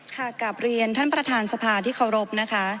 กลับเรียนท่านประธานสภาที่เคารพนะคะ